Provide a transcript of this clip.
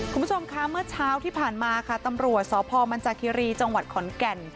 คุณผู้ชมคะเมื่อเช้าที่ผ่านมาค่ะตำรวจสพมันจากคิรีจังหวัดขอนแก่น